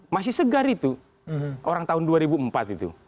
masih segar itu orang tahun dua ribu empat itu